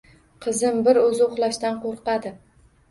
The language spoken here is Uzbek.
Qizim bir o'zi uxlashdan qo'rqadi.